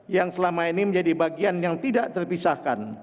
yang selama ini menjadi bagian yang tidak terpisahkan